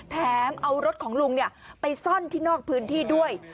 แถมเอารถของลุงไปซ่อนที่นอกพื้นที่ด้วย